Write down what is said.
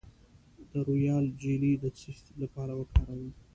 د رویال جیلی د څه لپاره وکاروم؟